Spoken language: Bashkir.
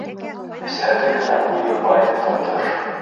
Сәҙе генә буйы, ай, татыр